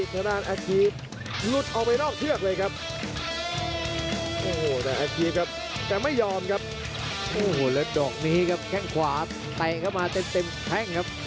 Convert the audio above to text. แล้วปัญญากระเด็นออกจากปากสัญญาไปลุ้นรางวัลกับใครจังนะครับ